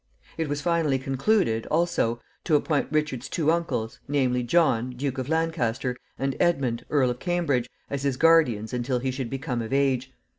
It was finally concluded, also, to appoint Richard's two uncles, namely, John, Duke of Lancaster, and Edmund, Earl of Cambridge, as his guardians until he should become of age.